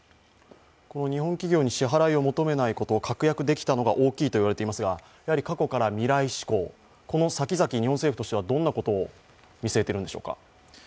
日本企業に支払いを求めないことを確約できたのが大きいといわれていますが過去から未来志向、この先々、日本政府としてはどんなことを見据えているんでしょうか？